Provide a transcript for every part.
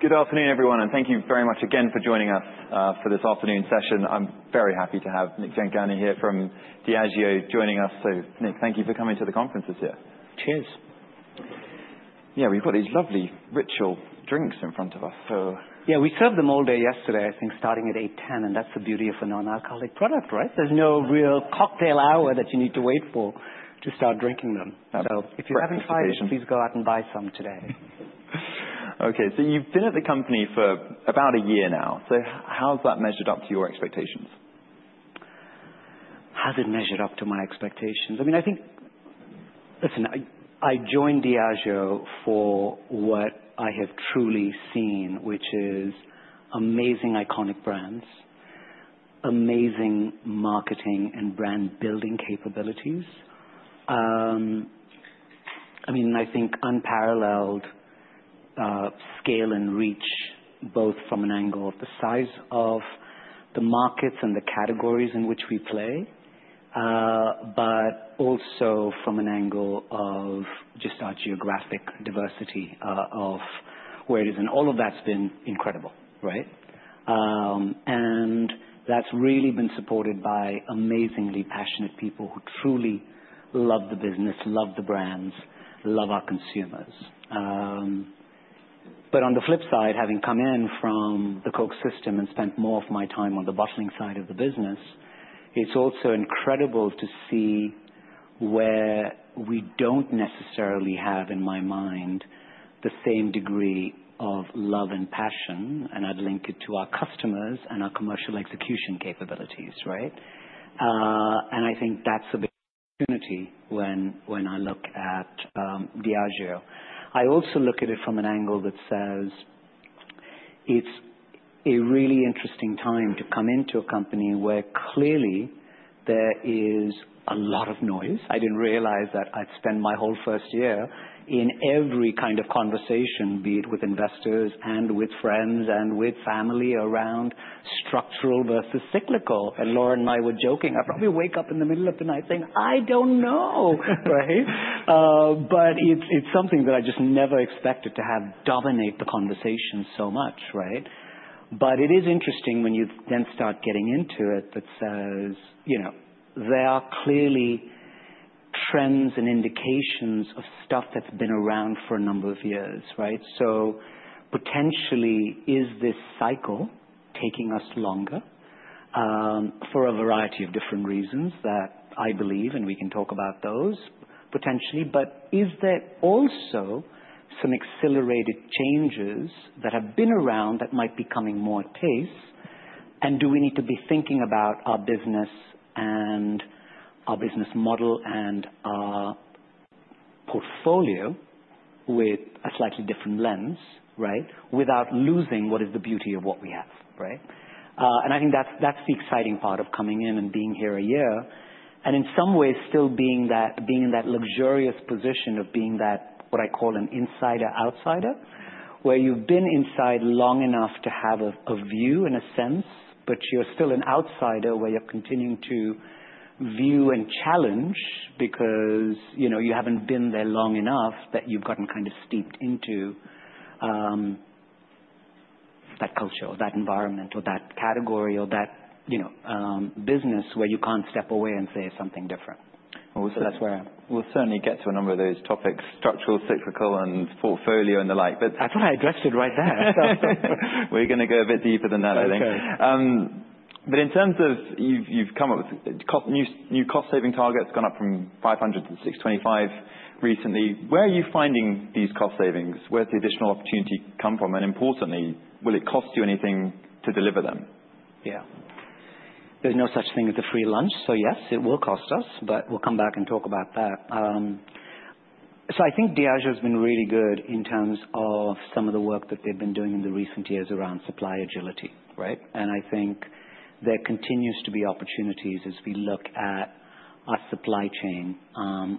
... Good afternoon, everyone, and thank you very much again for joining us for this afternoon session. I'm very happy to have Nik Jhangiani here from Diageo joining us. So Nik, thank you for coming to the conferences here. Cheers. Yeah, we've got these lovely ritual drinks in front of us, so. Yeah, we served them all day yesterday, I think starting at 8:10 A.M., and that's the beauty of a non-alcoholic product, right? There's no real cocktail hour that you need to wait for to start drinking them. Absolutely. If you haven't tried them, please go out and buy some today. Okay. So you've been at the company for about a year now. So how's that measured up to your expectations? Has it measured up to my expectations? I mean, I think. Listen, I joined Diageo for what I have truly seen, which is amazing iconic brands, amazing marketing, and brand building capabilities. I mean, I think unparalleled scale and reach, both from an angle of the size of the markets and the categories in which we play, but also from an angle of just our geographic diversity, of where it is, and all of that's been incredible, right? And that's really been supported by amazingly passionate people who truly love the business, love the brands, love our consumers. But on the flip side, having come in from the Coke system and spent more of my time on the bottling side of the business, it's also incredible to see where we don't necessarily have, in my mind, the same degree of love and passion, and I'd link it to our customers and our commercial execution capabilities, right? And I think that's a big opportunity when I look at Diageo. I also look at it from an angle that says it's a really interesting time to come into a company where clearly there is a lot of noise. I didn't realize that I'd spend my whole first year in every kind of conversation, be it with investors and with friends and with family, around structural versus cyclical. And Laurie and I were joking. I probably wake up in the middle of the night saying, "I don't know!" Right? But it's, it's something that I just never expected to have dominate the conversation so much, right? But it is interesting when you then start getting into it that says, you know, there are clearly trends and indications of stuff that's been around for a number of years, right? So potentially, is this cycle taking us longer, for a variety of different reasons that I believe, and we can talk about those, potentially. But is there also some accelerated changes that have been around that might be coming more at pace? And do we need to be thinking about our business and our business model and our portfolio with a slightly different lens, right? Without losing what is the beauty of what we have, right? And I think that's the exciting part of coming in and being here a year, and in some ways still being that, being in that luxurious position of being that, what I call an insider outsider. Where you've been inside long enough to have a view, in a sense, but you're still an outsider, where you're continuing to view and challenge because, you know, you haven't been there long enough that you've gotten kind of steeped into that culture or that environment or that category or that, you know, business where you can't step away and say something different. So that's where I am. We'll certainly get to a number of those topics, structural, cyclical, and portfolio and the like, but. I thought I addressed it right there. We're gonna go a bit deeper than that, I think. Okay. But in terms of... You've come up with new cost-saving targets, gone up from five hundred to six twenty-five recently. Where are you finding these cost savings? Where does the additional opportunity come from? And importantly, will it cost you anything to deliver them? Yeah. There's no such thing as a free lunch, so yes, it will cost us, but we'll come back and talk about that. So I think Diageo's been really good in terms of some of the work that they've been doing in the recent years around supply agility, right? And I think there continues to be opportunities as we look at our supply chain,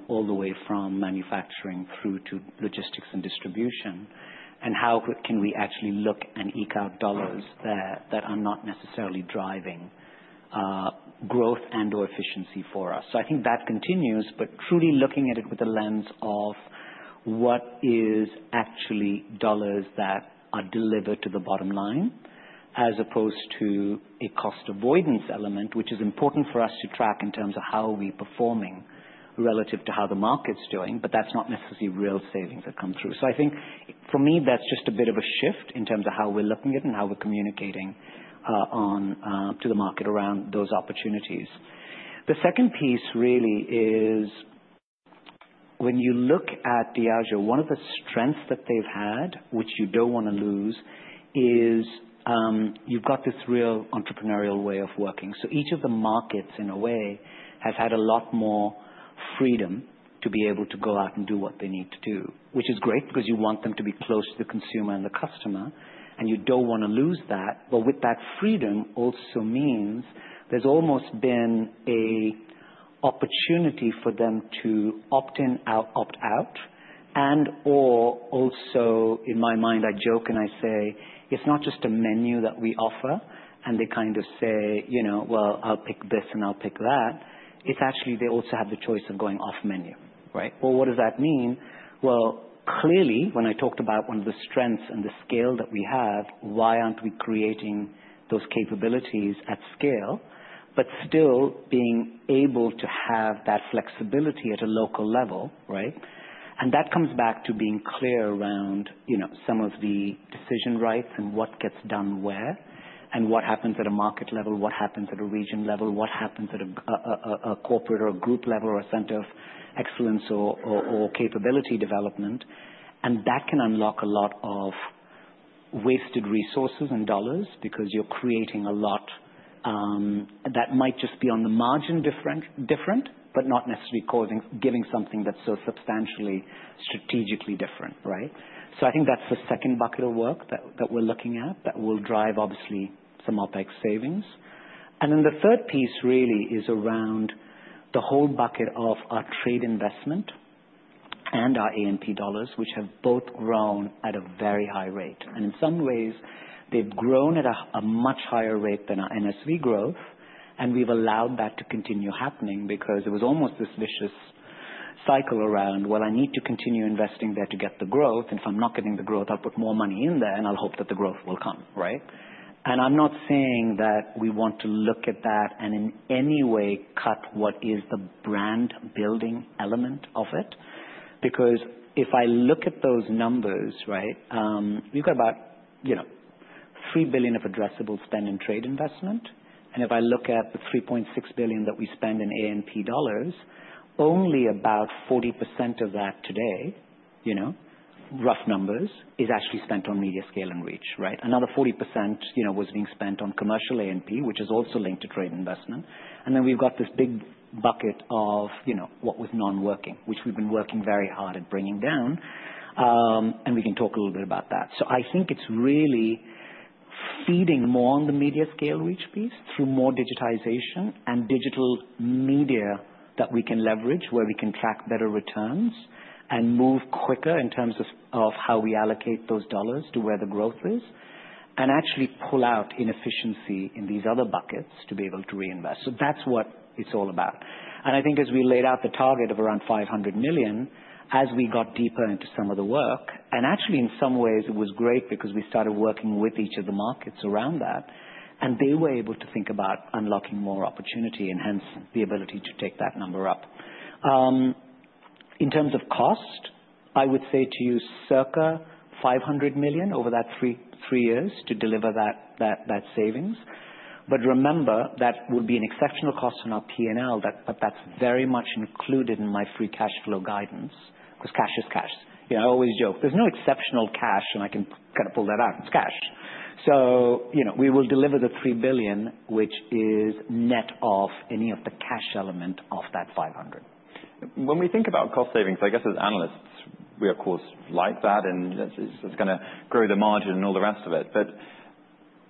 all the way from manufacturing through to logistics and distribution, and how can we actually look and eke out dollars there that are not necessarily driving, growth and or efficiency for us. So I think that continues, but truly looking at it with a lens of what is actually dollars that are delivered to the bottom line, as opposed to a cost avoidance element, which is important for us to track in terms of how we are performing relative to how the market's doing, but that's not necessarily real savings that come through. So I think for me, that's just a bit of a shift in terms of how we're looking at it and how we're communicating to the market around those opportunities. The second piece really is when you look at Diageo, one of the strengths that they've had, which you don't wanna lose, is you've got this real entrepreneurial way of working. So each of the markets, in a way, has had a lot more freedom to be able to go out and do what they need to do, which is great because you want them to be close to the consumer and the customer, and you don't wanna lose that. But with that freedom also means there's almost been a opportunity for them to opt in, out, opt out, and/or also, in my mind, I joke and I say: It's not just a menu that we offer, and they kind of say, you know, "Well, I'll pick this, and I'll pick that." It's actually they also have the choice of going off menu, right? Well, what does that mean? Well, clearly, when I talked about one of the strengths and the scale that we have, why aren't we creating those capabilities at scale?... But still being able to have that flexibility at a local level, right? And that comes back to being clear around, you know, some of the decision rights and what gets done where, and what happens at a market level, what happens at a region level, what happens at a corporate or a group level or a center of excellence or capability development. And that can unlock a lot of wasted resources and dollars because you're creating a lot that might just be on the margin different, but not necessarily giving something that's so substantially strategically different, right? So I think that's the second bucket of work that we're looking at, that will drive obviously some OpEx savings. And then the third piece really is around the whole bucket of our trade investment and our A&P dollars, which have both grown at a very high rate. And in some ways, they've grown at a much higher rate than our NSV growth, and we've allowed that to continue happening because it was almost this vicious cycle around, well, I need to continue investing there to get the growth, and if I'm not getting the growth, I'll put more money in there, and I'll hope that the growth will come, right? And I'm not saying that we want to look at that and in any way cut what is the brand building element of it. Because if I look at those numbers, right, we've got about, you know, $3 billion of addressable spend in trade investment. And if I look at the $3.6 billion that we spend in A&P dollars, only about 40% of that today, you know, rough numbers, is actually spent on media scale and reach, right? Another 40%, you know, was being spent on commercial A&P, which is also linked to trade investment. And then we've got this big bucket of, you know, what with non-working, which we've been working very hard at bringing down. And we can talk a little bit about that. So I think it's really feeding more on the media scale reach piece through more digitization and digital media that we can leverage, where we can track better returns and move quicker in terms of how we allocate those dollars to where the growth is, and actually pull out inefficiency in these other buckets to be able to reinvest. That's what it's all about. And I think as we laid out the target of around $500 million, as we got deeper into some of the work, and actually in some ways it was great because we started working with each of the markets around that, and they were able to think about unlocking more opportunity and hence the ability to take that number up. In terms of cost, I would say to you, circa $500 million over that three years to deliver that savings. But remember, that would be an exceptional cost on our PNL that, but that's very much included in my free cash flow guidance, because cash is cash. You know, I always joke, there's no exceptional cash, and I can kind of pull that out. It's cash. You know, we will deliver the $3 billion, which is net of any of the cash element of that $500. When we think about cost savings, I guess as analysts, we of course like that, and it's gonna grow the margin and all the rest of it. But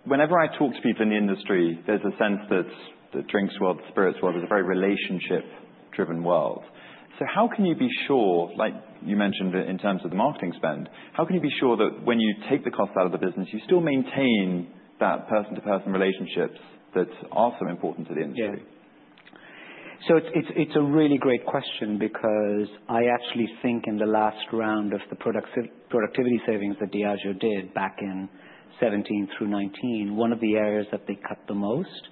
whenever I talk to people in the industry, there's a sense that the drinks world, the spirits world, is a very relationship-driven world. So how can you be sure, like you mentioned in terms of the marketing spend, how can you be sure that when you take the cost out of the business, you still maintain that person-to-person relationships that are so important to the industry? Yeah. So it's a really great question because I actually think in the last round of the productivity savings that Diageo did back in 2017 through 2019, one of the areas that they cut the most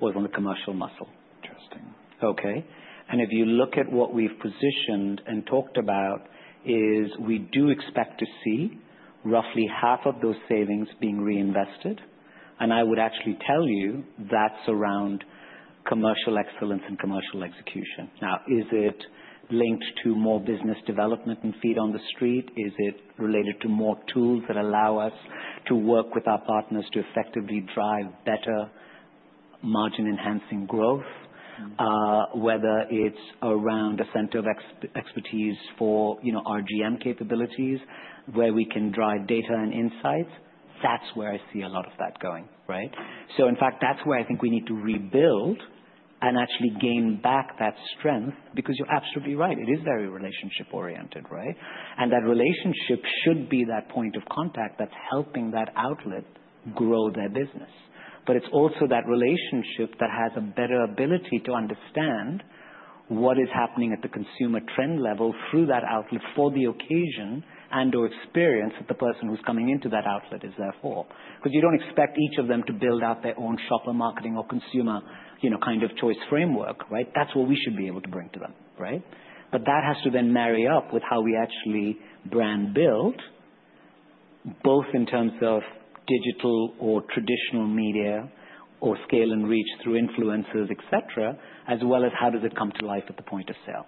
was on the commercial muscle. Interesting. Okay? And if you look at what we've positioned and talked about, is we do expect to see roughly half of those savings being reinvested. And I would actually tell you that's around commercial excellence and commercial execution. Now, is it linked to more business development and feet on the street? Is it related to more tools that allow us to work with our partners to effectively drive better margin-enhancing growth? Whether it's around a center of expertise for, you know, RGM capabilities, where we can drive data and insights, that's where I see a lot of that going, right? So in fact, that's where I think we need to rebuild and actually gain back that strength, because you're absolutely right, it is very relationship oriented, right? And that relationship should be that point of contact that's helping that outlet grow their business. But it's also that relationship that has a better ability to understand what is happening at the consumer trend level through that outlet for the occasion and/or experience that the person who's coming into that outlet is there for. Because you don't expect each of them to build out their own shopper marketing or consumer, you know, kind of choice framework, right? That's what we should be able to bring to them, right? But that has to then marry up with how we actually brand build, both in terms of digital or traditional media or scale and reach through influencers, et cetera, as well as how does it come to life at the point of sale,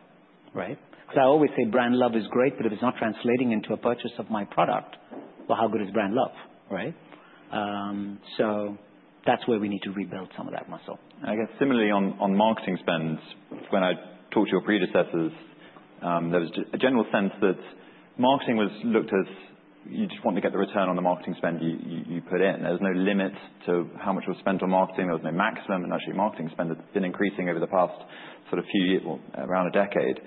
right? Because I always say brand love is great, but if it's not translating into a purchase of my product, well, how good is brand love, right? So that's where we need to rebuild some of that muscle. I guess similarly on marketing spends, when I talked to your predecessors, there was a general sense that marketing was looked as you just want to get the return on the marketing spend you put in. There was no limit to how much was spent on marketing. There was no maximum. And actually, marketing spend has been increasing over the past sort of few years, well, around a decade.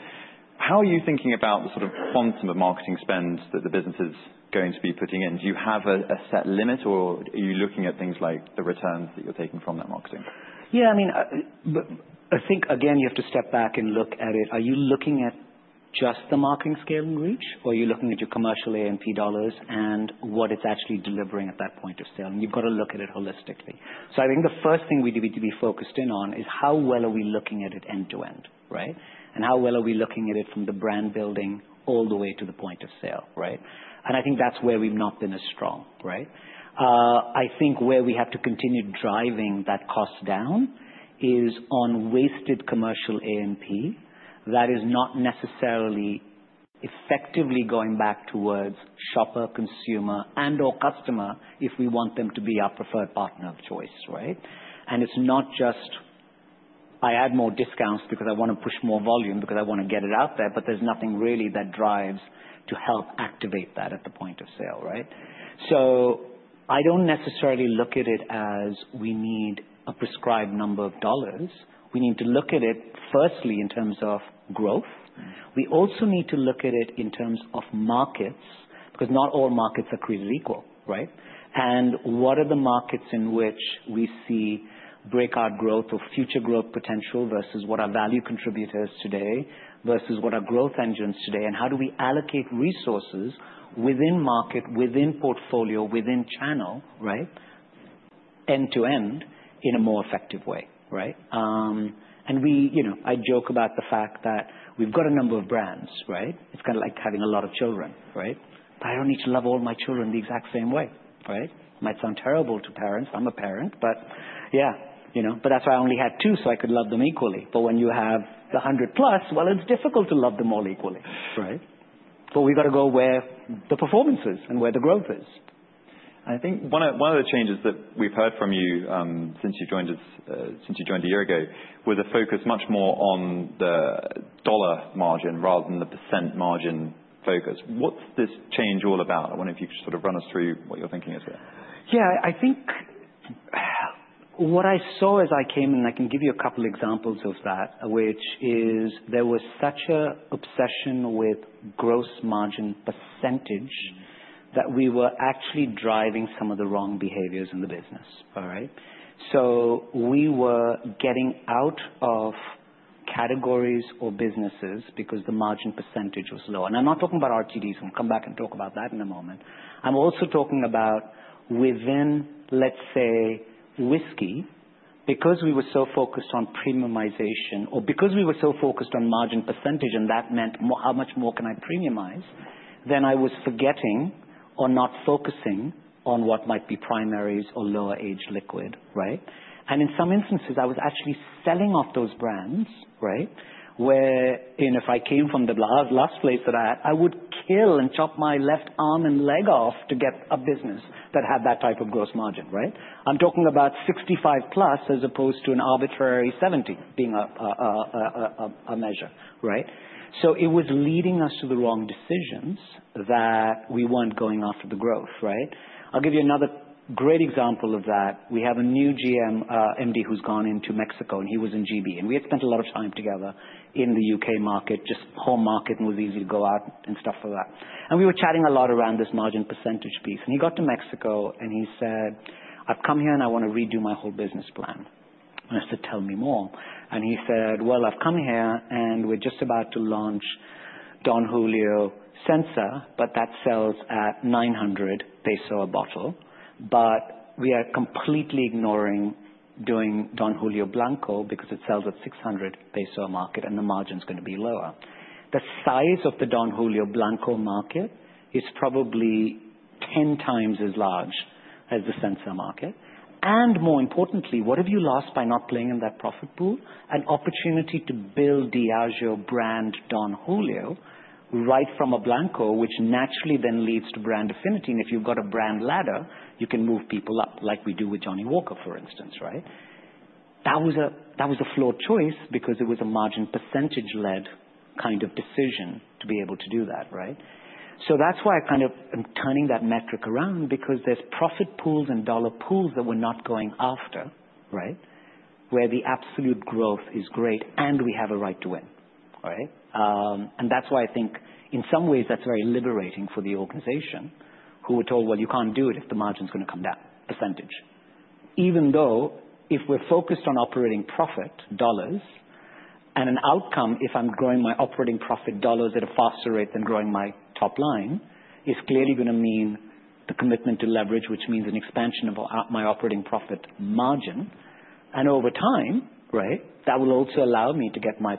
How are you thinking about the sort of quantum of marketing spends that the business is going to be putting in? Do you have a set limit, or are you looking at things like the returns that you're taking from that marketing? Yeah, I mean, but I think, again, you have to step back and look at it. Are you looking at just the marketing scale and reach, or are you looking at your commercial A&P dollars and what it's actually delivering at that point of sale? And you've got to look at it holistically. So I think the first thing we need to be focused in on is how well are we looking at it end to end, right? And how well are we looking at it from the brand building all the way to the point of sale, right? And I think that's where we've not been as strong, right? I think where we have to continue driving that cost down is on wasted commercial A&P. That is not necessarily effectively going back towards shopper, consumer, and/or customer if we want them to be our preferred partner of choice, right? And it's not just, I add more discounts because I want to push more volume, because I want to get it out there, but there's nothing really that drives to help activate that at the point of sale, right? So I don't necessarily look at it as we need a prescribed number of dollars. We need to look at it, firstly, in terms of growth. We also need to look at it in terms of markets, because not all markets are created equal, right? And what are the markets in which we see breakout growth or future growth potential versus what our value contributor is today, versus what our growth engine is today, and how do we allocate resources within market, within portfolio, within channel, right? End to end in a more effective way, right? And we... You know, I joke about the fact that we've got a number of brands, right? It's kind of like having a lot of children, right? Might sound terrible to parents. I'm a parent, but yeah, you know. But that's why I only had two, so I could love them equally. But when you have the hundred plus, well, it's difficult to love them all equally, right? So we've got to go where the performance is and where the growth is. I think one of the changes that we've heard from you since you joined a year ago was a focus much more on the dollar margin rather than the percent margin focus. What's this change all about? I wonder if you could sort of run us through what your thinking is here. Yeah, I think what I saw as I came, and I can give you a couple examples of that, which is there was such an obsession with gross margin percentage that we were actually driving some of the wrong behaviors in the business. All right? So we were getting out of categories or businesses because the margin percentage was low. And I'm not talking about RTDs. We'll come back and talk about that in a moment. I'm also talking about within, let's say, whiskey, because we were so focused on premiumization or because we were so focused on margin percentage, and that meant more, how much more can I premiumize, then I was forgetting or not focusing on what might be primaries or lower age liquid, right? And in some instances, I was actually selling off those brands, right? Wherein if I came from the last place that I had, I would kill and chop my left arm and leg off to get a business that had that type of gross margin, right? I'm talking about 65-plus as opposed to an arbitrary 70 being a measure, right? So it was leading us to the wrong decisions that we weren't going after the growth, right? I'll give you another great example of that. We have a new GM, MD, who's gone into Mexico, and he was in GB, and we had spent a lot of time together in the UK market, just whole market, and it was easy to go out and stuff like that. We were chatting a lot around this margin percentage piece, and he got to Mexico and he said, "I've come here and I want to redo my whole business plan." I said: Tell me more. He said, "Well, I've come here, and we're just about to launch Don Julio Seltzer, but that sells at 900 peso a bottle. But we are completely ignoring doing Don Julio Blanco because it sells at 600 peso a market, and the margin's gonna be lower." The size of the Don Julio Blanco market is probably 10 times as large as the Seltzer market. More importantly, what have you lost by not playing in that profit pool? An opportunity to build Diageo brand Don Julio, right from a Blanco, which naturally then leads to brand affinity. And if you've got a brand ladder, you can move people up, like we do with Johnnie Walker, for instance, right? That was a flawed choice because it was a margin percentage-led kind of decision to be able to do that, right? So that's why I kind of am turning that metric around, because there's profit pools and dollar pools that we're not going after, right? Where the absolute growth is great and we have a right to win, right? And that's why I think in some ways, that's very liberating for the organization, who were told, "Well, you can't do it if the margin's gonna come down, percentage." Even though if we're focused on operating profit dollars and an outcome, if I'm growing my operating profit dollars at a faster rate than growing my top line, is clearly gonna mean the commitment to leverage, which means an expansion of my operating profit margin. And over time, right, that will also allow me to get my,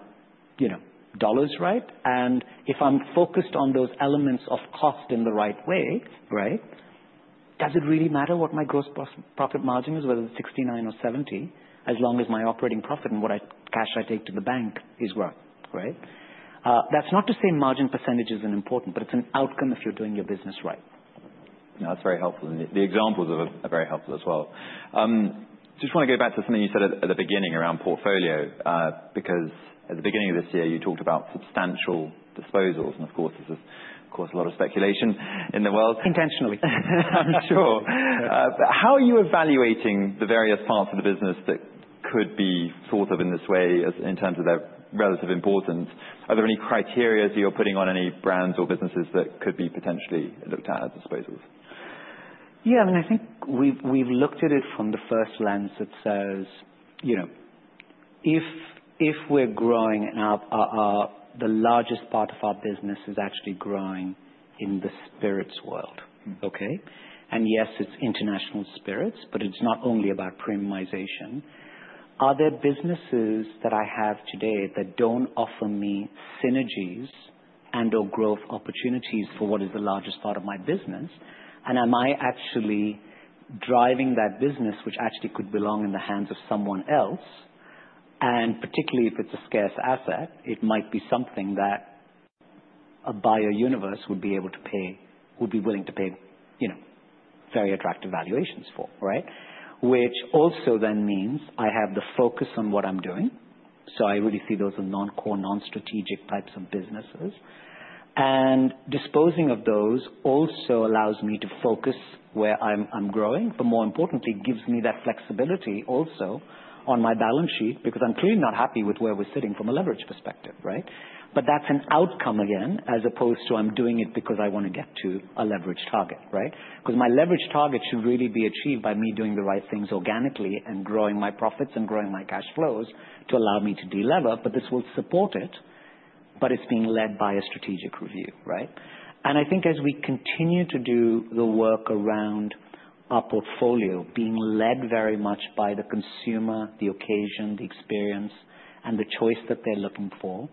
you know, dollars right. And if I'm focused on those elements of cost in the right way, right, does it really matter what my gross profit margin is, whether it's sixty-nine or seventy, as long as my operating profit and what cash I take to the bank is right, right? That's not to say margin percentage isn't important, but it's an outcome if you're doing your business right. No, it's very helpful, and the examples are very helpful as well. Just want to go back to something you said at the beginning around portfolio, because at the beginning of this year, you talked about substantial disposals, and of course, this has caused a lot of speculation in the world. Intentionally. I'm sure. How are you evaluating the various parts of the business that could be thought of in this way as in terms of their relative importance? Are there any criteria you're putting on any brands or businesses that could be potentially looked at as disposals?... Yeah, and I think we've looked at it from the first lens that says, you know, if we're growing and our... The largest part of our business is actually growing in the spirits world, okay? And yes, it's international spirits, but it's not only about premiumization. Are there businesses that I have today that don't offer me synergies and, or growth opportunities for what is the largest part of my business? And am I actually driving that business, which actually could belong in the hands of someone else, and particularly if it's a scarce asset, it might be something that a buyer universe would be able to pay, would be willing to pay, you know, very attractive valuations for, right? Which also then means I have the focus on what I'm doing. So I really see those as non-core, non-strategic types of businesses. Disposing of those also allows me to focus where I'm growing, but more importantly, gives me that flexibility also on my balance sheet, because I'm clearly not happy with where we're sitting from a leverage perspective, right? But that's an outcome, again, as opposed to I'm doing it because I wanna get to a leverage target, right? Because my leverage target should really be achieved by me doing the right things organically and growing my profits and growing my cash flows to allow me to delever, but this will support it, but it's being led by a strategic review, right? I think as we continue to do the work around our portfolio, being led very much by the consumer, the occasion, the experience, and the choice that they're looking for,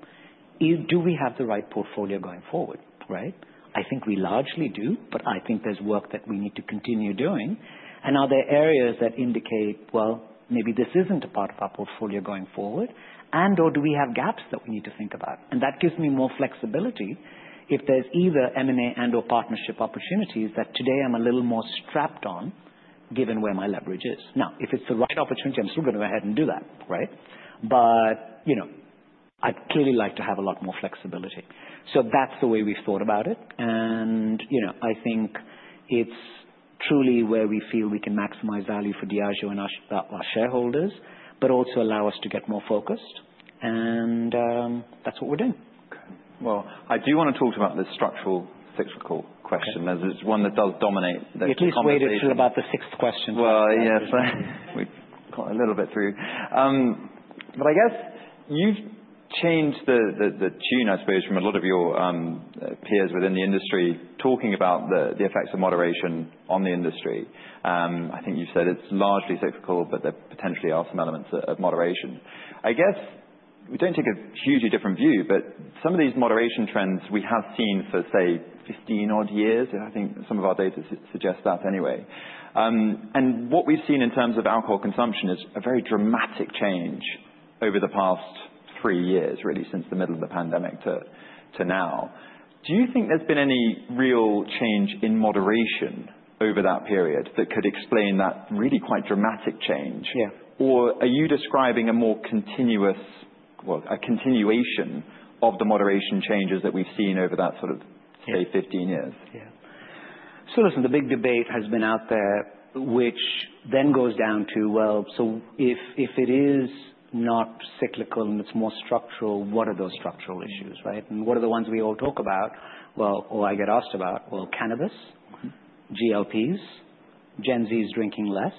is do we have the right portfolio going forward, right? I think we largely do, but I think there's work that we need to continue doing, and are there areas that indicate, well, maybe this isn't a part of our portfolio going forward, and/or do we have gaps that we need to think about? That gives me more flexibility if there's either M&A and/or partnership opportunities that today I'm a little more strapped on, given where my leverage is. Now, if it's the right opportunity, I'm still gonna go ahead and do that, right? You know, I'd clearly like to have a lot more flexibility, so that's the way we've thought about it, and, you know, I think it's truly where we feel we can maximize value for Diageo and our shareholders, but also allow us to get more focused. That's what we're doing. I do wanna talk about the structural, cyclical question as it's one that does dominate the conversation. At least wait until about the sixth question. Well, yes, we've got a little bit through. But I guess you've changed the tune, I suppose, from a lot of your peers within the industry, talking about the effects of moderation on the industry. I think you've said it's largely cyclical, but there potentially are some elements of moderation. I guess we don't take a hugely different view, but some of these moderation trends we have seen for, say, 15-odd years, and I think some of our data suggests that anyway. What we've seen in terms of alcohol consumption is a very dramatic change over the past 3 years, really, since the middle of the pandemic to now. Do you think there's been any real change in moderation over that period that could explain that really quite dramatic change? Yeah. Or are you describing a more continuous, well, a continuation of the moderation changes that we've seen over that sort of, say, fifteen years? Yeah. So listen, the big debate has been out there, which then goes down to well, so if it is not cyclical and it's more structural, what are those structural issues, right, and what are the ones we all talk about, well, or I get asked about, well, cannabis, GLP-1s, Gen Z is drinking less,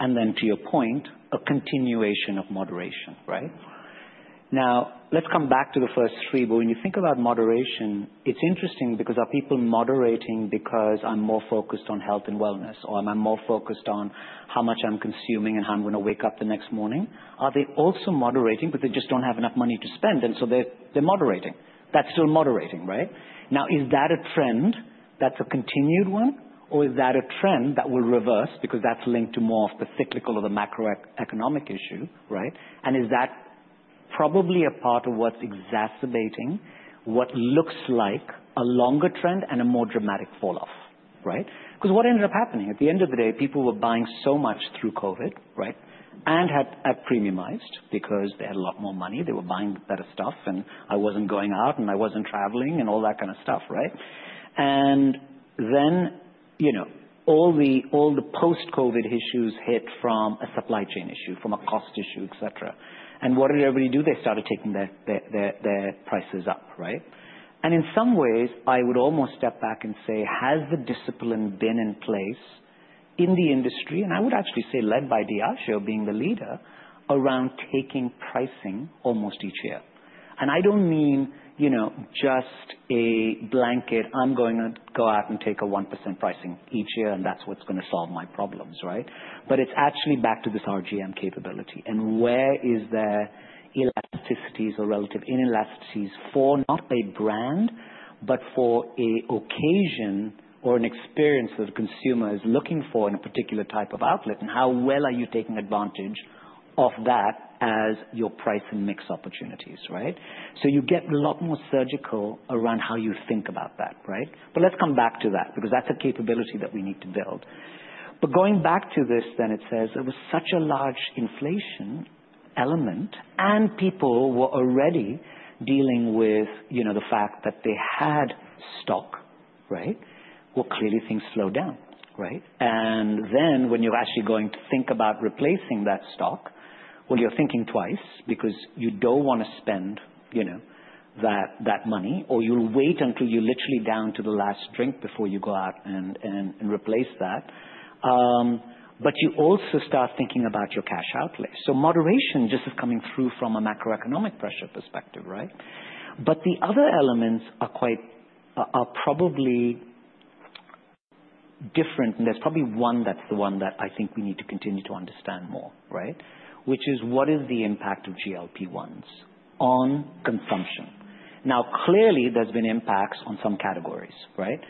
and then, to your point, a continuation of moderation, right? Now, let's come back to the first three, but when you think about moderation, it's interesting because are people moderating because I'm more focused on health and wellness, or am I more focused on how much I'm consuming and how I'm gonna wake up the next morning? Are they also moderating but they just don't have enough money to spend, and so they're moderating? That's still moderating, right? Now, is that a trend that's a continued one, or is that a trend that will reverse because that's linked to more of the cyclical or the macroeconomic issue, right? And is that probably a part of what's exacerbating what looks like a longer trend and a more dramatic falloff, right? 'Cause what ended up happening? At the end of the day, people were buying so much through COVID, right? And had premiumized because they had a lot more money, they were buying better stuff, and I wasn't going out, and I wasn't traveling and all that kind of stuff, right? And then, you know, all the post-COVID issues hit from a supply chain issue, from a cost issue, et cetera. And what did everybody do? They started taking their prices up, right? In some ways, I would almost step back and say: Has the discipline been in place in the industry, and I would actually say led by Diageo being the leader, around taking pricing almost each year? And I don't mean, you know, just a blanket, I'm going to go out and take a 1% pricing each year, and that's what's gonna solve my problems, right? But it's actually back to this RGM capability. And where are the elasticities or relative inelasticities for not a brand, but for an occasion or an experience that a consumer is looking for in a particular type of outlet, and how well are you taking advantage of that as your price and mix opportunities, right? So you get a lot more surgical around how you think about that, right? Let's come back to that, because that's a capability that we need to build. Going back to this, then it says there was such a large inflation element, and people were already dealing with, you know, the fact that they had stock, right? Clearly things slowed down, right? When you're actually going to think about replacing that stock. You're thinking twice because you don't wanna spend, you know, that money, or you'll wait until you're literally down to the last drink before you go out and replace that. You also start thinking about your cash outlay. Moderation just is coming through from a macroeconomic pressure perspective, right? The other elements are quite probably different, and there's probably one that's the one that I think we need to continue to understand more, right? Which is what is the impact of GLP-1s on consumption? Now, clearly, there's been impacts on some categories, right?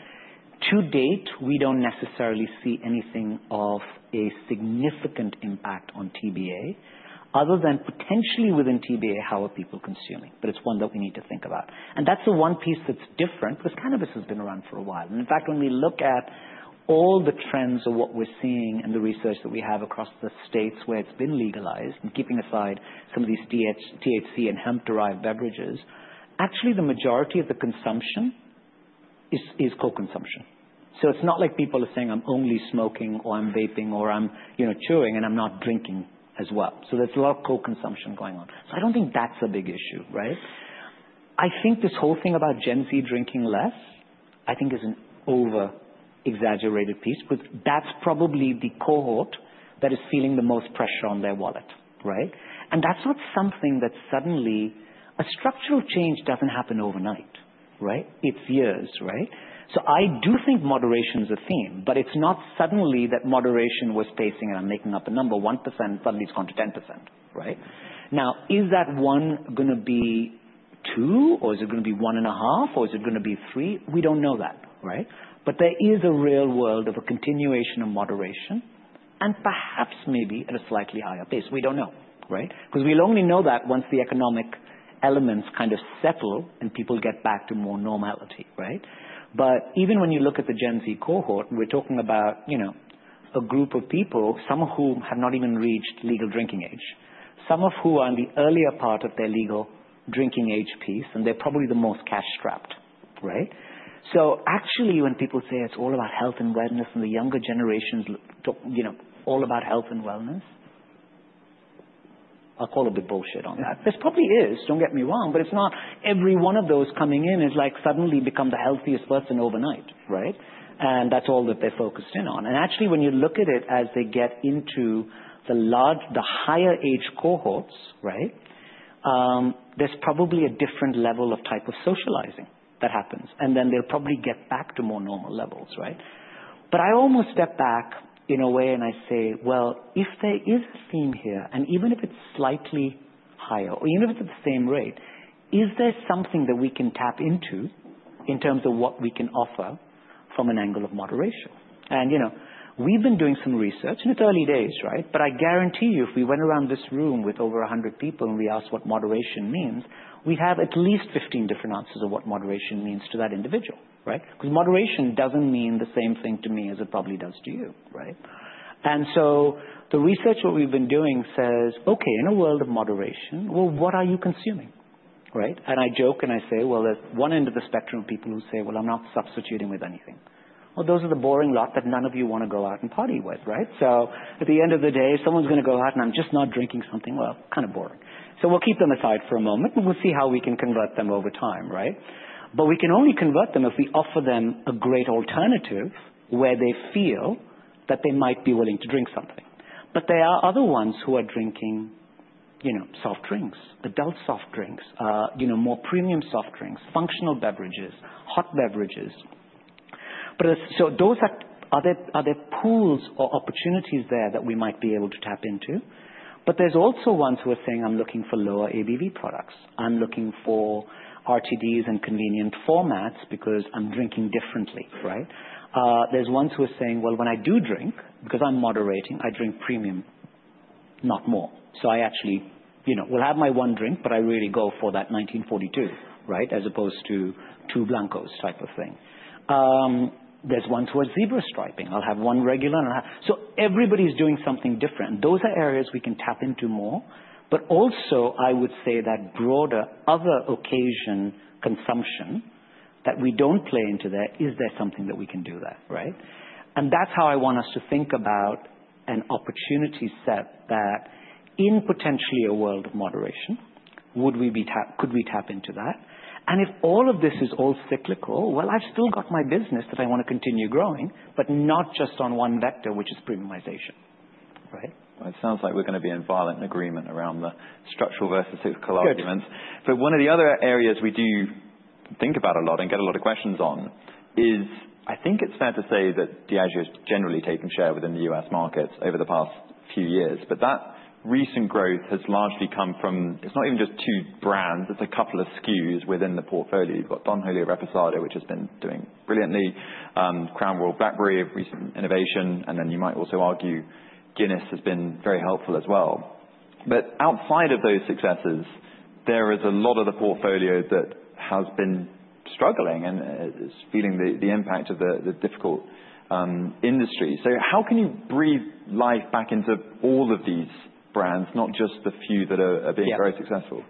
To date, we don't necessarily see anything of a significant impact on TBA, other than potentially within TBA, how are people consuming? But it's one that we need to think about, and that's the one piece that's different because cannabis has been around for a while. In fact, when we look at all the trends of what we're seeing and the research that we have across the states where it's been legalized, and keeping aside some of these Delta-8 THC and hemp-derived beverages, actually the majority of the consumption is co-consumption. So it's not like people are saying, "I'm only smoking," or, "I'm vaping," or, "I'm, you know, chewing, and I'm not drinking as well." So there's a lot of co-consumption going on, so I don't think that's a big issue, right? I think this whole thing about Gen Z drinking less, I think is an over-exaggerated piece, but that's probably the cohort that is feeling the most pressure on their wallet, right? And that's not something that suddenly... A structural change doesn't happen overnight, right? It's years, right? So I do think moderation is a theme, but it's not suddenly that moderation was pacing, and I'm making up a number, 1% suddenly has gone to 10%, right? Now, is that one gonna be two, or is it gonna be one and a half, or is it gonna be three? We don't know that, right? But there is a real world of a continuation of moderation and perhaps maybe at a slightly higher pace. We don't know, right? Because we'll only know that once the economic elements kind of settle and people get back to more normality, right? But even when you look at the Gen Z cohort, and we're talking about, you know, a group of people, some of whom have not even reached legal drinking age, some of who are in the earlier part of their legal drinking age piece, and they're probably the most cash-strapped, right? So actually, when people say it's all about health and wellness, and the younger generations talk, you know, all about health and wellness, I'll call a bit bullshit on that. This probably is, don't get me wrong, but it's not every one of those coming in is, like, suddenly become the healthiest person overnight, right? And that's all that they're focused in on. And actually, when you look at it as they get into the large... the higher age cohorts, right, there's probably a different level of type of socializing that happens, and then they'll probably get back to more normal levels, right? But I almost step back in a way, and I say, well, if there is a theme here, and even if it's slightly higher or even if it's at the same rate, is there something that we can tap into in terms of what we can offer from an angle of moderation? And, you know, we've been doing some research, and it's early days, right? But I guarantee you, if we went around this room with over a hundred people and we asked what moderation means, we'd have at least 15 different answers of what moderation means to that individual, right? Because moderation doesn't mean the same thing to me as it probably does to you, right? And so the research that we've been doing says, "Okay, in a world of moderation, well, what are you consuming?" Right? And I joke, and I say, well, at one end of the spectrum, people who say, "Well, I'm not substituting with anything." Well, those are the boring lot that none of you wanna go out and party with, right? So at the end of the day, if someone's gonna go out and I'm just not drinking something, well, kind of boring. So we'll keep them aside for a moment, and we'll see how we can convert them over time, right? But we can only convert them if we offer them a great alternative where they feel that they might be willing to drink something. But there are other ones who are drinking, you know, soft drinks, adult soft drinks, you know, more premium soft drinks, functional beverages, hot beverages. But so are there pools or opportunities there that we might be able to tap into? But there's also ones who are saying, "I'm looking for lower ABV products. I'm looking for RTDs and convenient formats because I'm drinking differently," right? There's ones who are saying, "Well, when I do drink, because I'm moderating, I drink premium, not more. So I actually, you know, will have my one drink, but I really go for that 1942, right, as opposed to two Blancos type of thing." There's ones who are zebra striping. "I'll have one regular, and I'll have..." So everybody's doing something different, and those are areas we can tap into more. But also I would say that broader other occasion consumption that we don't play into that, is there something that we can do there, right? And that's how I want us to think about an opportunity set that in potentially a world of moderation, would we be? Could we tap into that? And if all of this is all cyclical, well, I've still got my business that I want to continue growing, but not just on one vector, which is premiumization, right? It sounds like we're gonna be in violent agreement around the structural versus cyclical arguments. Good. So one of the other areas we do think about a lot and get a lot of questions on is, I think it's fair to say that Diageo's generally taken share within the U.S. market over the past few years, but that recent growth has largely come from, it's not even just two brands, it's a couple of SKUs within the portfolio. You've got Don Julio Reposado, which has been doing brilliantly, Crown Royal Blackberry, a recent innovation, and then you might also argue Guinness has been very helpful as well. But outside of those successes, there is a lot of the portfolio that has been struggling and feeling the impact of the difficult industry. So how can you breathe life back into all of these brands, not just the few that are being very successful?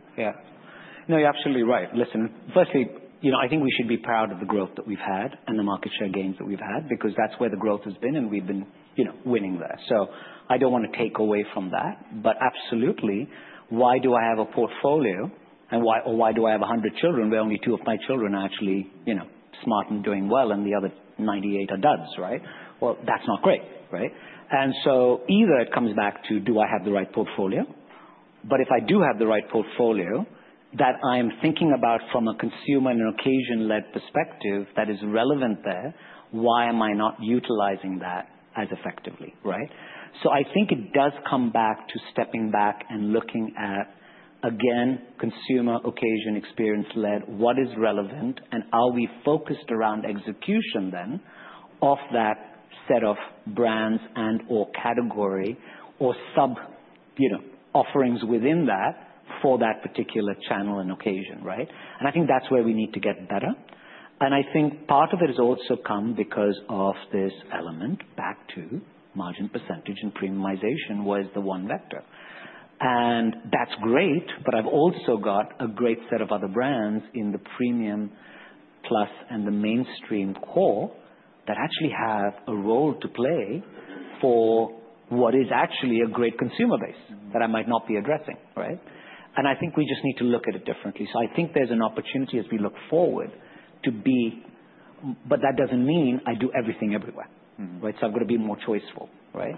No, you're absolutely right. Listen, firstly, you know, I think we should be proud of the growth that we've had and the market share gains that we've had, because that's where the growth has been, and we've been, you know, winning there. So I don't wanna take away from that. But absolutely, why do I have a portfolio and why, or why do I have a hundred children, where only two of my children are actually, you know, smart and doing well, and the other ninety-eight are duds, right? Well, that's not great, right? And so either it comes back to, do I have the right portfolio? But if I do have the right portfolio that I am thinking about from a consumer and occasion-led perspective that is relevant there, why am I not utilizing that as effectively, right? So I think it does come back to stepping back and looking at, again, consumer occasion, experience-led, what is relevant, and are we focused around execution then, of that set of brands and/or category or sub, you know, offerings within that for that particular channel and occasion, right? And I think that's where we need to get better. And I think part of it has also come because of this element back to margin percentage and premiumization, was the one vector. And that's great, but I've also got a great set of other brands in the premium plus and the mainstream core that actually have a role to play for what is actually a great consumer base that I might not be addressing, right? And I think we just need to look at it differently. So I think there's an opportunity as we look forward to be... But that doesn't mean I do everything everywhere, right? So I've got to be more choiceful, right?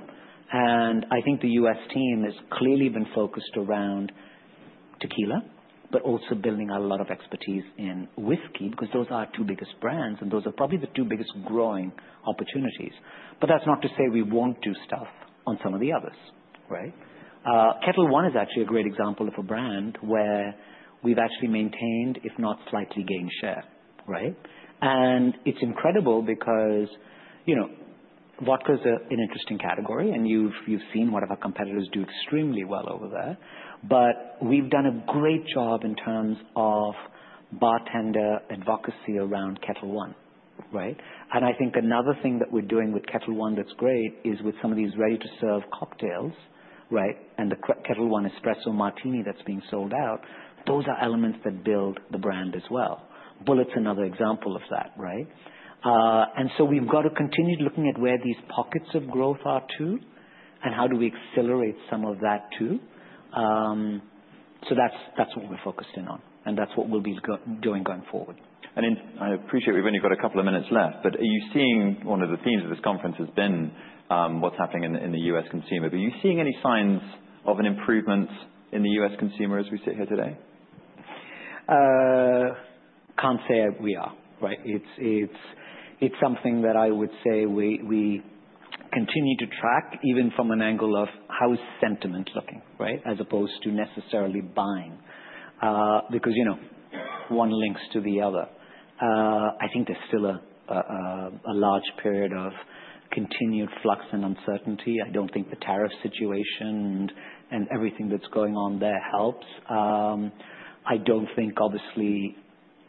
And I think the US team has clearly been focused around tequila, but also building out a lot of expertise in whiskey, because those are our two biggest brands, and those are probably the two biggest growing opportunities. But that's not to say we won't do stuff on some of the others, right? Ketel One is actually a great example of a brand where we've actually maintained, if not slightly gained share, right? And it's incredible because, you know, vodka is an interesting category, and you've seen one of our competitors do extremely well over there. But we've done a great job in terms of bartender advocacy around Ketel One, right? And I think another thing that we're doing with Ketel One that's great is with some of these ready-to-serve cocktails, right? And the Ketel One Espresso Martini that's being sold out, those are elements that build the brand as well. Bulleit's another example of that, right? And so we've got to continue looking at where these pockets of growth are, too, and how do we accelerate some of that, too. So that's what we're focusing on, and that's what we'll be doing going forward. I appreciate we've only got a couple of minutes left, but are you seeing one of the themes of this conference has been what's happening in the U.S. consumer. Are you seeing any signs of an improvement in the U.S. consumer as we sit here today? Can't say we are, right? It's something that I would say we continue to track, even from an angle of how is sentiment looking, right? As opposed to necessarily buying, because, you know, one links to the other. I think there's still a large period of continued flux and uncertainty. I don't think the tariff situation and everything that's going on there helps. I don't think, obviously,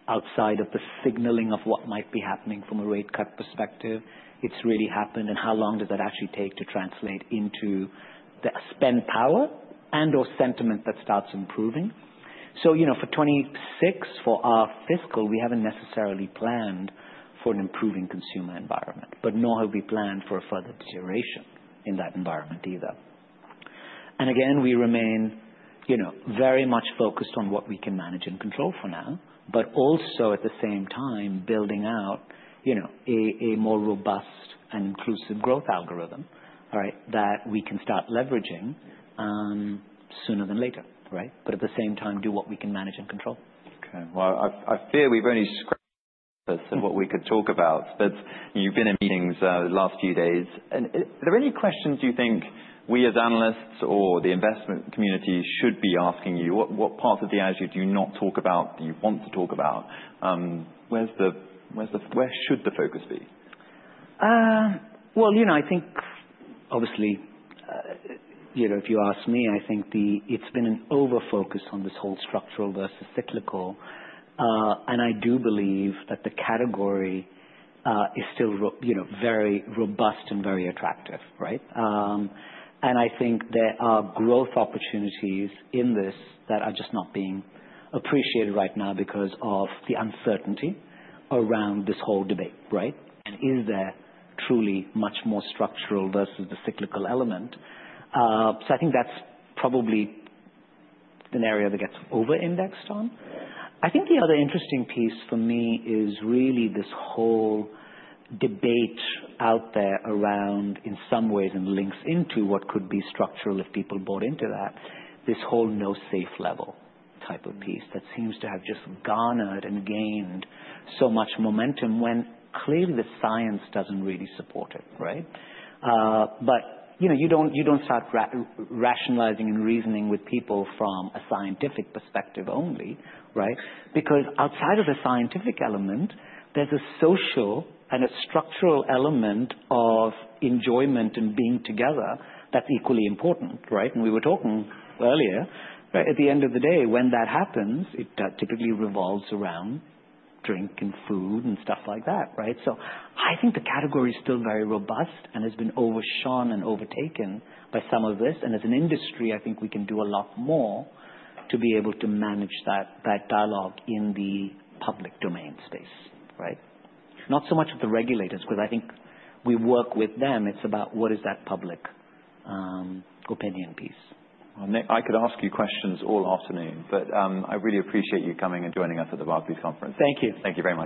outside of the signaling of what might be happening from a rate cut perspective, it's really happened, and how long does that actually take to translate into the spend power and/or sentiment that starts improving? So, you know, for 2026, for our fiscal, we haven't necessarily planned for an improving consumer environment, but nor have we planned for a further deterioration in that environment either. Again, we remain, you know, very much focused on what we can manage and control for now, but also at the same time building out, you know, a more robust and inclusive growth algorithm, right? That we can start leveraging sooner than later, right? But at the same time, do what we can manage and control. Okay, well, I fear we've only scratched the surface of what we could talk about, but you've been in meetings the last few days. Are there any questions you think we as analysts or the investment community should be asking you? What part of the agenda do you not talk about, that you want to talk about? Where's the... Where should the focus be? Well, you know, I think obviously, you know, if you ask me, I think the... It's been an overfocus on this whole structural versus cyclical, and I do believe that the category is still, you know, very robust and very attractive, right? And I think there are growth opportunities in this that are just not being appreciated right now because of the uncertainty around this whole debate, right, and is there truly much more structural versus the cyclical element? So I think that's probably an area that gets over-indexed on. I think the other interesting piece for me is really this whole debate out there around, in some ways, and links into what could be structural if people bought into that. This whole no safe level type of piece that seems to have just garnered and gained so much momentum, when clearly the science doesn't really support it, right? But, you know, you don't, you don't start rationalizing and reasoning with people from a scientific perspective only, right? Because outside of the scientific element, there's a social and a structural element of enjoyment and being together that's equally important, right? And we were talking earlier, right at the end of the day, when that happens, it typically revolves around drink and food and stuff like that, right? So I think the category is still very robust and has been overshadowed and overtaken by some of this. And as an industry, I think we can do a lot more to be able to manage that, that dialogue in the public domain space, right? Not so much with the regulators, because I think we work with them. It's about what is that public opinion piece. Nik, I could ask you questions all afternoon, but I really appreciate you coming and joining us at the Barclays conference. Thank you. Thank you very much.